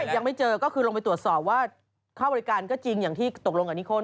ยังไม่เจอก็คือลงไปตรวจสอบว่าค่าบริการก็จริงอย่างที่ตกลงกับนิคล